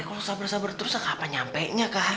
ya kok sabar sabar terus kak apa nyampe nya kak